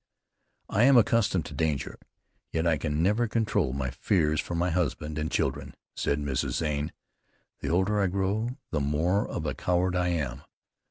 "I am accustomed to danger, yet I can never control my fears for my husband and children," said Mrs. Zane. "The older I grow the more of a coward I am.